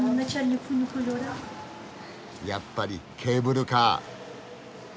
やっぱりケーブルカー。